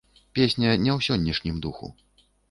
Песня не ў сённяшнім духу.